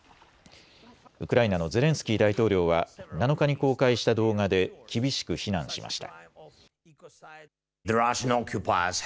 ウクライナのゼレンスキー大統領は７日に公開した動画で厳しく非難しました。